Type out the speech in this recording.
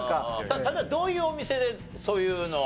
例えばどういうお店でそういうのは。